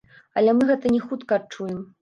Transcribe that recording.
Але мы гэта не хутка адчуем.